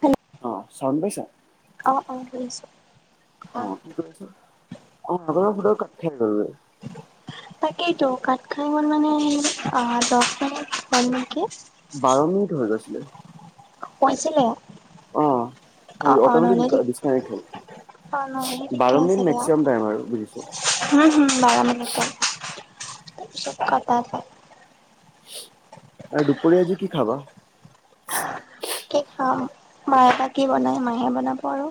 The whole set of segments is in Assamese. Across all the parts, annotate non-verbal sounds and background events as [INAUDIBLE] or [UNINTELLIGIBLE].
হেল্ল' অ চাউণ পাইছা? অ অ শুনি আছো। [UNINTELLIGIBLE] তাকেইতো কাঠ খাই গ'ল মানে অ দহ মিনিট হ'ল নেকি। বাৰ মিনিট হৈ গৈছিলে। কৈছিলে। হয় অ', অ', অটমিটিক নহ'লে ঠিক অ নহলে দিগদাৰ টাইম আৰু বুজিছো আছিলে হম হম বাৰ মিনিতে। চব ঘৰতে আছে। আৰু দুপৰীয়া আজি কি খাবা? কি খাম মাহে বা কি বনাই মাহে বনাব আৰু।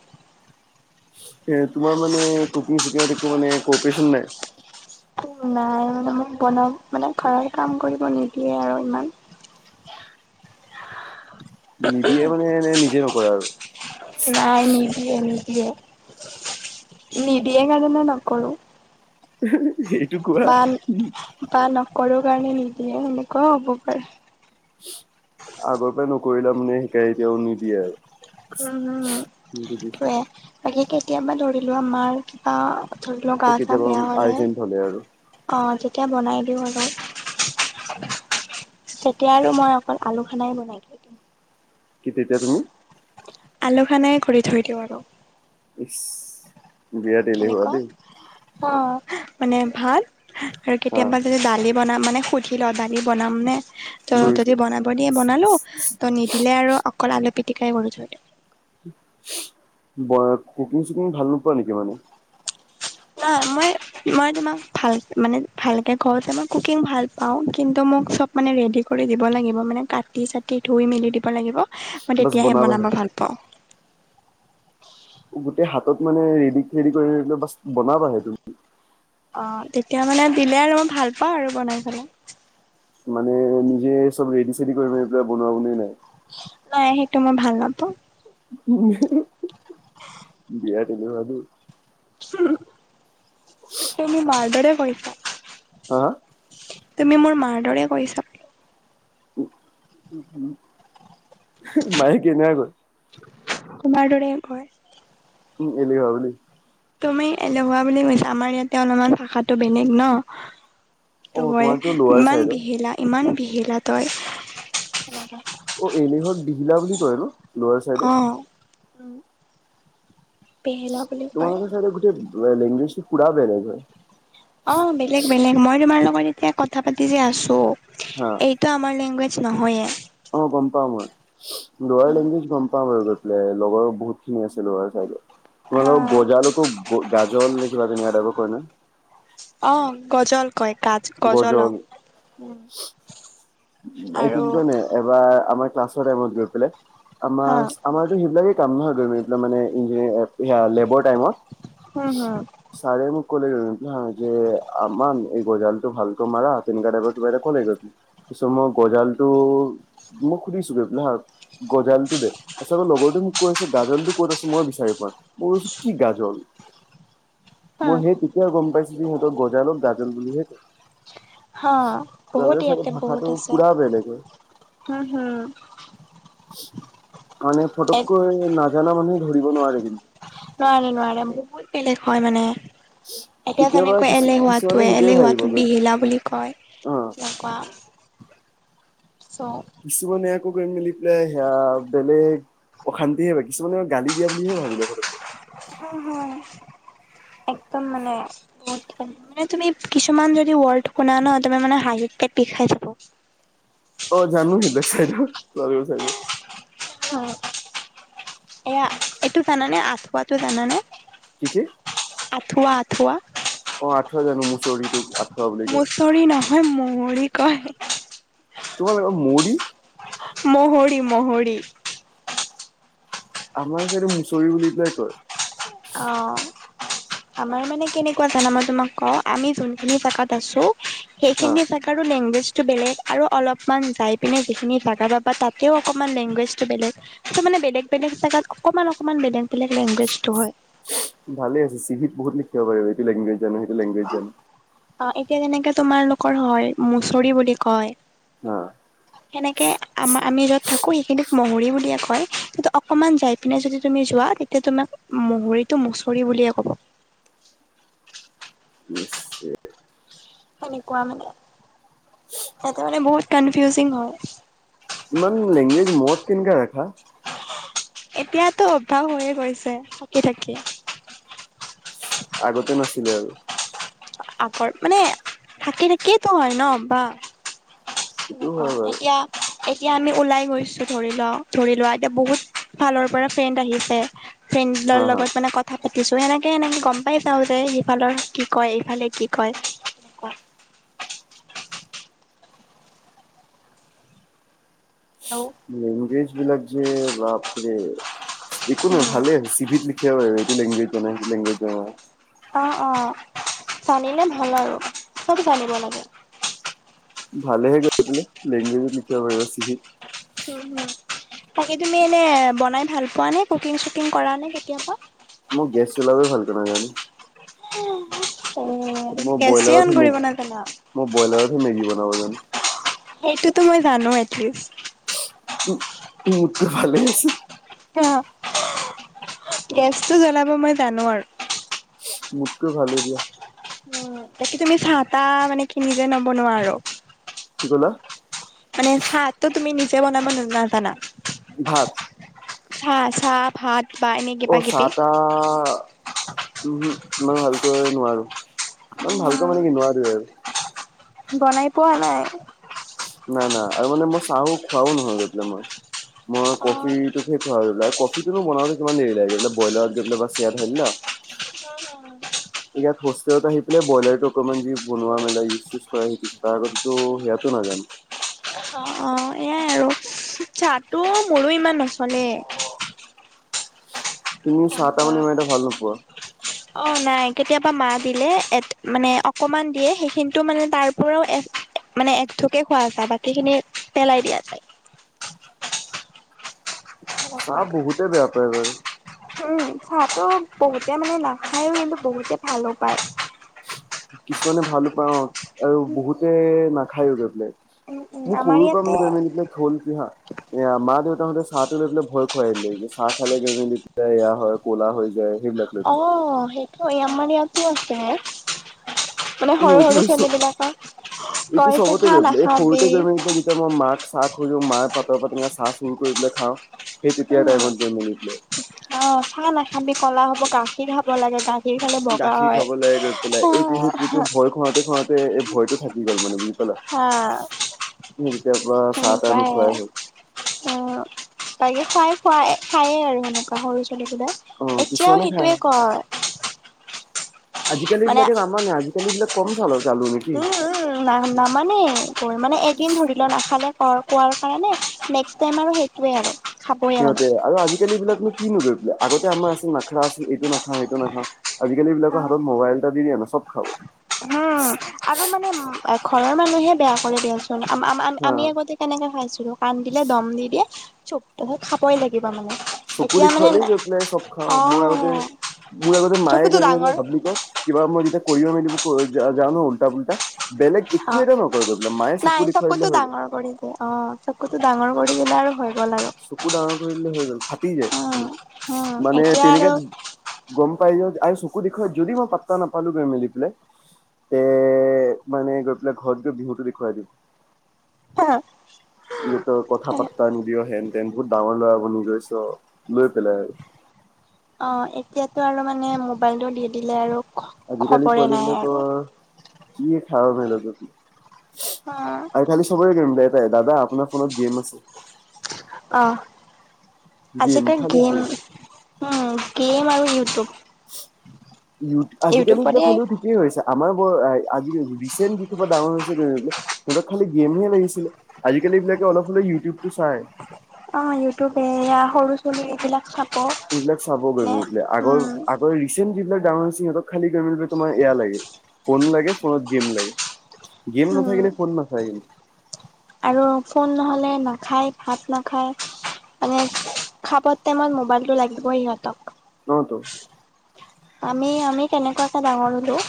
তোমাৰ মানে কুকিং চুকিংত একো মানে অপাৰেচন নাই? নাই মানে মোক বন মানে ঘৰত কাম কৰিব নিদিয়ে আৰু ইমান নিদিয়ে মানে এনে নিজে নকৰো আৰু নাই নিদিয়ে নিদিয়ে নিদিয়ে কাৰণে নকৰো সেইটো কোৱা বা বা নকৰো কাৰণে নিদিয়ে সেনেকুৱাও হ'ব পাৰে আগৰ পৰাই নকৰিলা মানে সেই কাৰণে এতিয়াও শিকাই নিদিয়ে আৰু উম উম বুজিছো সেইটোয়ে বাকী কেতিয়াবা ধৰিলো মাৰ কিবা ধৰিলোৱা অ গা চা কেতিয়াবা বেয়া হলে আৰ্জেন্ট আৰু অ তেতিয়া বনাই দিওঁ আৰু তেতিয়া আৰু মই অকল আলু খানাই বনাই দিওঁ কি তেতিয়া তুমি আলু খানাই কৰি থৈ দিওঁ আৰু ইছ কেনেকোৱা অ মানে ভাত আৰু হা কেতিয়াবা যদি দালি বনাম মানে সুধি লওঁ দালি বনামনে ত' বুজিছো যদি বনাব দিয়ে বনালোঁ তো নিদিলে আৰু অকল আলু পিটিকাই কৰি থৈ দিও ব কুকিং চুকিং ভাল নোপোৱা নেকি মানে নাই মই মই তোমাক ভাল মানে ভালকে কওঁতে মই কুকিং ভাল পাওঁ কিন্তু মোক চব মানে ৰেডি কৰি দিব লাগিব মানে কাটি চাটি ধুই মেলি দিব লাগিব মই বাছ তেতিয়াহে বনাব বনাবাহে ভাল পা পাওঁ গোটেই হাতত মানে ৰেডি চেডি কৰি বাচ বনাবা সে তুমি অ তেতিয়া মানে দিলে আৰু মই ভাল পাওঁ আৰু বনাই পেলাই মানে নিজে চব ৰেডি চেডি কৰি পেলাই বনোৱা বনি নাই নাই সেইটো মই ভাল নাপাওঁ [UNINTELLIGIBLE] তুমি মাৰদৰে কৈছা হা তুমি মোৰ মাৰ দৰে কৈছ মায়ে কেনেকা কয় তোমাৰ দৰে কয় উম এলেহুৱা বুলি তুমি এলেহুৱা বুলি কৈছা আমাৰ ইয়াতে অলপমান ভাষাটো বেলেগ ন ত অ কয় তোমাৰতো লৱাৰ ইমান চাইডৰ বিহেলা ইমান বিহেলা তই অ এলেহুৱাক বিহিলা বুলি কয় ন লৱাৰ চাইডে অ বেহেলা বুলি কয় তোমালেকে চাগে গোটেই লেংগুৱেজটো পুৰা বেলেগ হয় অ বেলেগ বেলেগ মই তোমাৰ লগত এতিয়া কথা পাতি যে আছো এই হা এইটো আমাৰ লেংগুৱেজ নহয়ে অ গম পাম মই লোৱাৰ লেংগুৱেজ গম পাওঁ বাৰু এ লগৰ বহুত খিনি আছে নগাঁও ল'ৰা ছাইদে হা তোমালোকৰ গজালোকো গাজল এনেকোৱা কিবা তেনেকুৱা কয় ন অ গজল কয় কাজ গজলক গজল উম এইটো কি কয় নে এবাৰ আমাৰ ক্লাছৰ টাইমত গৈ পেলাই হা আমাৰ আমাৰো সেইবিলাকে [UNINTELLIGIBLE] হিয়াৰ লেবৰ হুম টাইমত হুম ছাৰে মোক কলে হা যে আমান এই গজালটো ভালকৈ মাৰা তেনেকুৱাএটা কলে গৈ পিনি পিছত মই গজালটো মই সুধিছোগো মই হা গজালটো দে তাৰপাছত লগৰটো মোক কৈছে গাজলটো ক'ত আছে মই বিচাৰি পোৱা মই কৈছো কি গাজল হা মই সেই তেতিয়া গম পাইছোঁ যে সিহঁতক গজালক গাজল বুলিহে কয় হা বহুত তেওঁলোকে চাগে ইয়াতে ভাষাটো বহুত আছে পুৰা বেলেগ হয় হো হো মানে এক ফটককৈ নাজানা মানুহ ধৰিব নোৱাৰে কিন নোৱাৰে- নোৱাৰে বহুত বেলেগ হয় মানে এতিয়া কেতিয়াবা যেনেকৈ কিছু কিছুমানে এলেহুৱাটোৱে সেইটোৱে ভাবিব এলেহুৱাটো বিহিলা বুলি কয় অ এনেকুৱা। চ' কিছুমানে আকৌ কৰি মেলি পেলাই সেয়া বেলেগ অশান্তিয়ে হয় কিছুমানে আৰু গালি দিয়া বুলিহে ভাবি লব লয়। হো -হো একদম মানে [UNINTELLIGIBLE] মানে তুমি কিছুমান যদি ৱৰ্ড শুনা ন' তোমাৰ মানে হাঁহি পেট বিষাই যাব। অ, জানো সেই বেগচাইডো ময়ো জানো। অ, এয়া এইটো জানানে আঠুৱাটো জানানে? কি কে? আঁঠুৱা- আঁঠুৱা? অ, আঁঠুৱা জানো মুচৰিটোক আঁঠুৱা বুলি কয়। মুচৰি নহয় মূহৰি কয়। তোমাৰ [UNINTELLIGIBLE] মৌহৰি- মৌহৰি। আমাৰ চাইদে মুচুৰি বুলিকেই কয়। অ, আমাৰ মানে কেনেকুৱা জানা মই তোমাক কওঁ আমি যোনখিনি জাগাত আছোঁ হা সেইখিনি জাগাৰো লেংগুৱেজ টো বেলেগ আৰু অলপমান যাই পিনে যিখিনি জেগা পাবা তাতেও অকমান লেংগুৱেজটো বেলেগ। ত'মানে বেলেগ-বেলেগ জাগাত অকমান অকমান বেলেগ -বেলেগ লেংগুৱেজটো হয়। ভালে আছে চি ভিত বহুত লিখিৰ পাৰিবি এইটো লেংগুৱেজ জানো সেইটো লেংগুৱেজ জানো। অ, এতিয়া যেনেকে তোমাৰালোকৰ হয় মুচৰি বুলি কয় আহ, সেনেকে আমাৰ আমি য'ত থাকো সেইখিনিক মৌহৰি বুলিয়ে কয় কিন্তু অকমান যাই পিনে যদি তুমি যোৱা তেতিয়া তোমাক মহৰীটো মচৰি বুলিয়ে ক'ব। [UNINTELLIGIBLE] সেনেকুৱা মানে সেহতে মানে বহুত কনফিউজিং হয়। ইমান লেংগুৱেজ মত কেনকে ৰাখা? এতিয়াতো অভ্যাস হৈয়ে গৈছে থাকি - থাকি। আগতে নাছিলে আৰু? আগৰ মানে থাকি -থাকিটোৱেতো হয় ন' বা সেইটো সেনেকুৱা হয় বাৰু এতিয়া এতিয়া আমি ওলাই গৈছো ধৰি ল' ধৰি লোৱা এতিয়া বহুত ফালৰ পৰা ফ্ৰেণ্ড আহিছে ফ্ৰেণ্ডৰ হা হা লগত মানে কত কথা পাতিছোঁ সেনেকে- সেনেকে গম পাই চাওঁ যে সিফালৰ কি কয় ইফালে কি কয়। ঔ লেংগুৱেজবিলাক যে বাপৰে। একো নহয় উম, ভালেই চি ভিত লিখিব পাৰিবি এইটো লেংগুৱেজ জানা সেইটো লংগুৱেজ জানা। অ', অ', জানিলে ভাল আৰু চব জানিব লাগে। ভালেহে গৈপেলে লেংগুৱেজত লিখিব পাৰিবা চি ভিত। [UNINTELLIGIBLE] তাকে তুমি এনে বনাই ভাল পোৱা নে কুকিং চুকিং কৰা নে কেতিয়াবা? মই গেছ চলাবই ভালকে নেজানো। মই [UNINTELLIGIBLE] গেছে ব্ৰইলাৰতহে অন মেগী কৰিব নাজানা? মই বইলাৰতহে মেগী বনাব জানো। সেইটোতো মই জানো এটলিষ্ট। উ, মোতকৈ ভালে আছে। [UNINTELLIGIBLE] গেছটো জ্বলাব মই জানো আৰ। মোতকৈ ভালেই দিয়া। বাকী তুমি চাহ -তাহ মানে কি নিজে নবনোৱা আৰু? কি ক'লা? মানে চাহটো তুমি নিজে বনাব নাজানা? ভাত? চাহ-চাহ ভাত? বা এনে কিবা অ', চাহ কিবি? টাহ উম হুম, ইমান ভালকৈ নোৱাৰো। ইমান ভালকৈ উম, মানে কি নোৱাৰোৱে আৰু। বনাই পোৱা নাই। নাই-নাই আৰু মানে মই চাহো খোৱাও নহয় গৈ পাই মই, মই অ', কফি [UNINTELLIGIBLE] কফিটো বনাওঁতে কিমান দেৰি লাগে, বইলাৰ গৈ পেলাই বা [UNINTELLIGIBLE] দালি দিলা। ইয়াত হোষ্টেলত আহি পেলাই ব্ৰইলাৰটো অকণমান যি বনোৱা মেলা ইউজ চেউজ কৰা শিকিছোঁ, তাৰ আগতেতো সেয়াতো নাজানোঁ। অ', অ', এয়াই আৰু। চাহটো মোৰো ইমান নচলে। তুমি চাহ টাহ এনেকুৱা মানে ইমান এটা ভাল নোপোৱা? অ', নাই। কেতিয়াবা মা দিলে মানে অকমান দিয়ে সেইখিনিতো মানে তাৰ পৰাও মানে এক থোপে খোৱা যায়, বাকী খিনি পেলাই দিয়া যায়। সেনেকুৱা চাহ বহুতে বেয়া পায় বাৰু। উম, চাহটো বহুতে মানে নাখায়ও কিন্তু বহুতে ভালো পায়। কিছুমানে ভালো পাওঁ অ', আৰু বহুতে নাখায়ো গৈ পেলাই। উম উম মোৰ আমাৰ সৰুৰ পৰা [UNINTELLIGIBLE] ইয়াতে কি হয়। এয়া মা -দেউতাহঁতে চাহটো লৈ পেলাই ভয় খুৱাই দিলে যে চাহ খালে [UNINTELLIGIBLE] এয়া হয় ক'লা হৈ যায় সেইবিলাক। লৈ পেলাই অ', সেইটো আমাৰ ইয়াতো আছে। মানে সৰু-সৰু এইটো ছোৱালী বিলাকৰ এইটো চবতে গৈ পেলাই এই সৰুতে গৈ মেলিনে যেতিয়া মই মাক চাহ খ মাৰ পাতৰ পৰা তেনেকে চাহ চুৰ কৰি পেলাই খাও, সেই তেতিয়াৰ উম টাইমত গৈ মেলি পলে। অ', চাহ নাখাবি ক'লা হব গাখীৰ খাব লাগে গাখ গাখীৰ খালে বগা গাখীৰ হয়। [UNINTELLIGIBLE] খুৱৱাতে-খুৱৱাতে এইয়টো থাকি গল মানে বুজি হা মুৰ তেতিয়াৰ পৰা চাহ তাহ সেনেকুৱাই নোখোৱাই হ'ল। অ', বাকী খুৱাই-খুৱাই খায়ে আৰু সেনেকোৱা সৰু ছোৱালীবিলাক। অ এতিয়াও কিছুমানে খাই। সেইটোৱে কয়। আজিকালি মানে বিলাকে নামানে, আজিকালি বিলাক কম চালু নেকি? উম-উম। না নামানে গৈ মানে এদিন ধৰি লওঁ নাখালে কৈ কোৱাৰ কাৰণে, নেক্সট টাইম আৰু সেইটোৱে আৰু। খাবয়ে মানে। সিহঁতে আৰু আজিকালি এই বিলাকনো কিনো [UNINTELLIGIBLE] আগতে আমাৰ আছিল নাখৰা আছিল এইটো নাখাওঁ সেইটো নাখাওঁ আজিকালি অ বিলাকৰ হাতত মোবাইল এটা দি দিয়ানা, চ'ব খাব। উম। আৰু মানে ঘৰৰ মানুহে বেয়া কৰি দিয়াচোন হা আম-আম-আমি আগতে কেনেকে খাইছিলোঁ। কান্দিলে দম দি দিয়ে চুপ, তাছত খাবই লাগিব মানে। চকু এতিয়া মানে দেখুৱালেই গৈ পেলাই চ'ব খাওঁ, অ মোৰ আগতে মোৰ আগতে মায়ে চকুতো ডাঙৰ গৈ [UNINTELLIGIBLE] কিবা মই যেতিয়া কৰিব মেলিব যাওঁ নহয় উল্টা পুল্টা, বেলেগ অ একো এটা নকৰে গৈ পেলাই মায়ে নাই চকু দেখুৱাই চকুতো দিলে হৈ গ'ল। ডাঙৰ কৰি অ', চকুতো ডাঙৰ কৰি দিলে আৰু হৈ গ'ল আৰু। চকু ডাঙৰ কৰি দিলে হৈ গ'ল ফাটি যায় উম মুৰ, উম মানে এতিয়া তেনেকে আৰু গম পাই যাওঁ আৰে চকু দেখুৱাই যদি মই পাত্তা নাপালোঁ মেলি পেলে তে মানে গৈ পেলাই ঘৰত গৈ বিহুটো দেখুৱাই দিওঁ। যিহেতু কথা পাত্তা নিদিয় হেন তেন বহুত ডাঙৰ ল'ৰা বনি গৈছ লৈ পেলাই আৰু। অ', এতিয়াতো আৰু মানে মোবাইলটো দি দিলে আৰু আজিকালি খবৰে পোৱালি নাই আৰু বিলাকৰ যিয়ে খাওঁ মেলঃ [UNINTELLIGIBLE] অ'। আৰু খালি চবৰে [UNINTELLIGIBLE] দাদা আপোনাৰ ফোনত গেম আছে? অ'। গেম আজিকালি খালি গেম- উম, গেম আৰু ইউটিউব। ইউদ- আজিকালি এইবিলাক ইউটিউবতে হ'লেও থা কি হৈছে, আমাৰ বৰ অ'- আজি ৰিচেণ্ট যিসোপা ডাঙৰ হৈছে গে সিহঁতক খালি গেমহে লাগিছিলে। আজিকালি ইবিলাকে অলপ হলেও ইউটিউবটো চায়। অ', ইউটিউব বেয়া। সৰু চলি এইবিলাক চা এইবিলাক চাব গৈ [UNINTELLIGIBLE] আগৰ আ গৰ ৰিচেণ্ট যিবিলাক ডাঙৰ হৈছে, সিহঁতক খালি [UNINTELLIGIBLE] তোমাৰ এয়া লাগে, ফোন লাগে, ফোনত গেম লাগে। গেম উম নাথাকিলে ফোন নাচায় আৰু ফোন নহ'লে নাখায়, ভাত নাখায়। মানে খাবৰ টাইমত মোবাইলটো লাগিবই ইহঁতক। অ'টো। আমি- আমি তেনেকুৱাকে ডাঙৰ হলোঁ।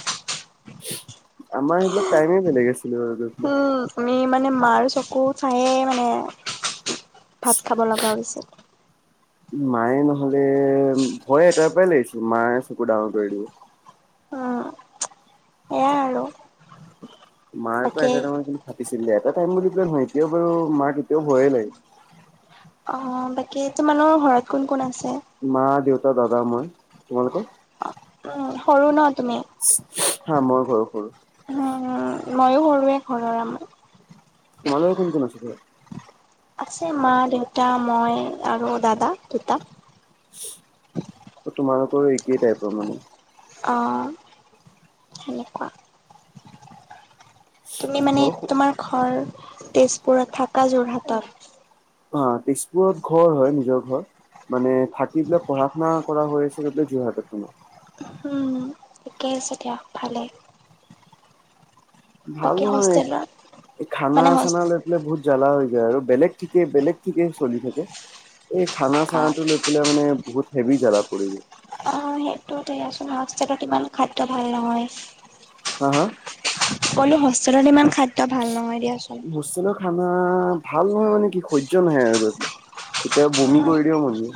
আমাৰ সেইবিলাক টাইমে বেলেগ আছিলে গৈ পেলাই উম। আমি মানে মাৰ চকু চায়ে মানে ভাত খাব লগা হৈ হৈছিল। মায়ে নহলে- ভয় এটাৰ পৰাই লাগিছিল। মায়ে চকু ডাঙৰ কৰি দিব। এয়া আৰু। মাৰ পৰা বাকী এটা টাইমত কিন্তু ফাটিছিল দে। এটা টাইম বুলি পেলাই নহয়, এতিয়াও বাৰু মাক এতিয়াও ভয়ে লাগে। অ', বাকী তোমালোকৰ ঘৰত কোন - কোন আছে? মা, দেউতা, দাদা, মই। তোমালোকৰ? উম, সৰু ন' তুমি? হা, মই ঘৰৰ সৰু। উম ময়ো সৰুৱে ঘৰৰ আমাৰ। তোমালোকৰ কোন - কোন আছে ঘৰত? আছে মা, দেউতা, মই আৰু দাদা দুটা। অ', তোমালোকৰো একেই টাইপৰ মানে। অ', সেনেকুৱা। তুমি মানে ঘৰ তোমাৰ ঘৰ তেজপুৰত, থাকা যোৰহাটত। অ', তেজপুৰত ঘৰ হয়, নিজৰ ঘৰ। মানে থাকি দিলে পঢ়া-শুনা কৰা হৈ আছিলে এইবিলাক যোৰহাটত তোমা উম। কেই আছে দিয়া, ভালে। ভাল বাকী নহয়। হোষ্টেলত এই খানা মানে হোষ্ট চানালৈ বোলে বহুত জ্বালা হৈ যায় আৰু বেলেগ ঠিকে - বেলেগ ঠিকে চলি থাকে। এই অ খানা-চানাটো লৈ পেলাই মানে বহুত হেভি জ্বালা পৰি যায়। অ', সেইটো তে য়াচোন হোষ্টেলত ইমান খাদ্য ভালে নহয়। হা - হা? সকলো হোষ্টেলত ইমান খাদ হোষ্টেলত খানা ভাল নহয় মানে কি, সহ্য নহয় আৰু। তাতে এতিয়া বমি কৰি দিব মন যায়।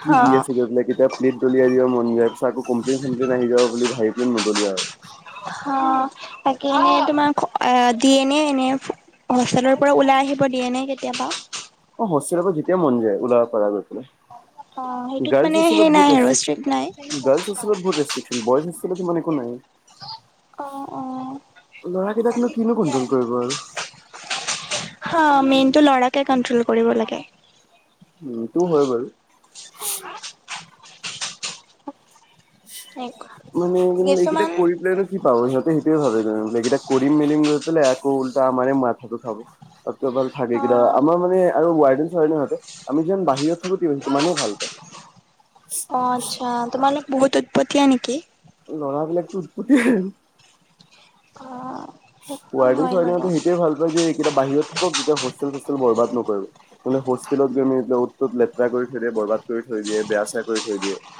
কি অ দি আছে দে [UNINTELLIGIBLE] প্লেট দলিয়াই দিব মন যায়। পিছত আকৌ কমপ্লেন - চমপ্লেন আহি যাব বুলি ভাবিকেনে নদলিয়াও আৰু। হ তাকে এনে তোমাক খ- দিয়ে নে এনে হোষ্টেলৰ পৰা ওলাই আহিব দিয়ে নাই কেতিয়াবা? অ', হোষ্টেলৰ পৰা যেতিয়া মন যায় ওলাব পাৰা গৈ পেলাই। অ সেইটোত গাৰ্লছ মানে হোষ্টেলত সেই নাই বহুত আৰু ষ্ট্ৰিক্ট ৰেষ্ট্ৰিকশ্যন। নাই গাৰ্লছ হোষ্টেলত বহুত ৰেষ্ট্ৰিকশ্যন। বয়জ হোষ্টেলত ইমান একো নাই। অ'। অ', ল'ৰা কেইটাকনো কিনো কন্ট্ৰল কৰিব আৰু। হা, মেইন টো লৰাকে কন্ট্ৰল কৰিব লাগে। উম, সেটোও হয় বাৰু। সেনেকুৱা [UNINTELLIGIBLE] মানে কিন্তু এইকেইটা কিছুমান কৰি পেলাইন কি পাব সিহঁতে সেইটো [UNINTELLIGIBLE] ভাবেলেগিটা কৰিম মেলিম গৈ পেললে একৌ উলটা আমে মাথাটো খাব। [UNINTELLIGIBLE] ভাল থাকে কিবা, অ', আমাৰ মানে আৰু ৱাৰডেন চে সহতে আমি যেন বাহিৰত থাকো তিমানে ভাল পায়। অ আচ্ছা, তোমালোক বহুত উৎপতিয়া নেকি? লৰা বিলাকতো উৎ, [UNINTELLIGIBLE] অ', সেইটো ৱাৰদেন হয় চোৱাৰদেন হ বাৰু। তেতি ভাল পায় যে, এইকেইটা বাহিৰত থাকক যেতিয়া হোষ্টেল-চোষ্টেল বৰবাদ নকৰিব। মোলে হোষ্টেলত গৈ মেলি পাই উত-তত লেতেৰা কৰি থৈ দিয়ে, বৰবাদ কৰি থৈ দিয়ে, বেয়া চো কৰি থৈ দিয়ে।